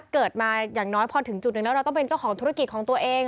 เกิดมาอย่างน้อยพอถึงจุดหนึ่งแล้วเราต้องเป็นเจ้าของธุรกิจของตัวเอง